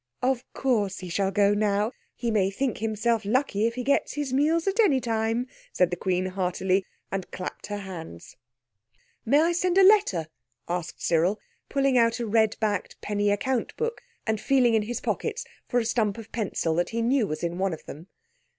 _" "Of course he shall go now. He may think himself lucky if he gets his meals at any time," said the Queen heartily, and clapped her hands. "May I send a letter?" asked Cyril, pulling out a red backed penny account book, and feeling in his pockets for a stump of pencil that he knew was in one of them.